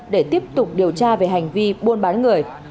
để tiếp tục điều tra về hành vi buôn bán người